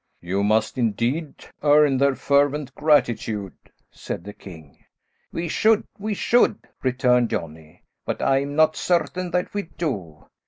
"You must, indeed, earn their fervent gratitude," said the king. "We should, we should," returned Johnny, "but I'm not certain that we do.